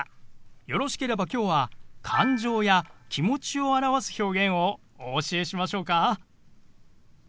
よろしければきょうは感情や気持ちを表す表現をお教えしましょうか？